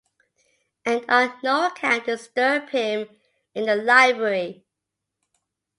And on no account disturb him in the library.